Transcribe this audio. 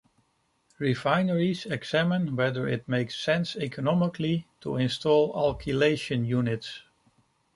Refineries examine whether it makes sense economically to install alkylation units.